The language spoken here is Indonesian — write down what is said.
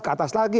ke atas lagi